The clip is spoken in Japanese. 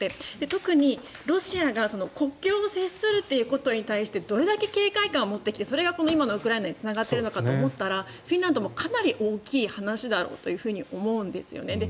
特にロシアが国境を接するということに対してどれだけ警戒感をもってそれが今のウクライナにつながっているのかと思ったらフィンランドにとっても大きいと思うんですよね。